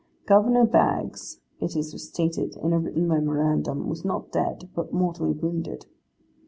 Governor Baggs, it is stated in a written memorandum, was not dead, but mortally wounded.